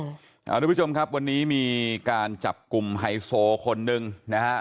คุณผู้ชมครับวันนี้มีการจับกลุ่มไฮโซคนหนึ่งนะฮะ